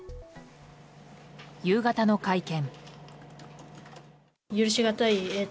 夕方の会見。